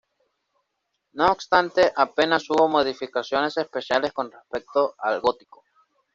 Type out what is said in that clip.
No obstante, apenas hubo modificaciones espaciales con respecto al gótico.